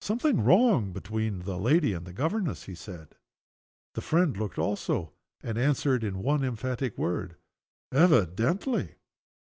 "Something wrong between the lady and the governess," he said. The friend looked also, and answered, in one emphatic word: "Evidently!"